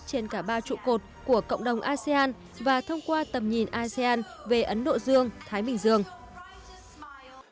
trên cả ba trụ cột của cộng đồng asean và thông qua tầm nhìn asean về ấn độ dương thái bình dương